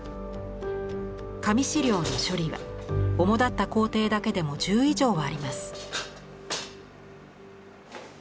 紙資料の処理は主だった工程だけでも１０以上はあります。